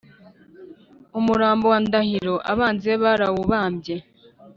umurambo wa ndahiro abanzi be barawubambye